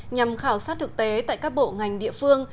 nhằm khảo sát thực tế tại các bộ ngành địa phương